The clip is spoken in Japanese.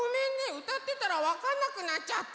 うたってたらわかんなくなっちゃった。